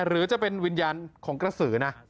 หรือจะเป็นวิญญาณของกระสือนะ